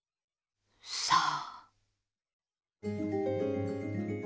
さあ。